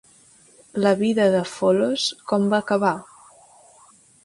La vida de Folos com va acabar?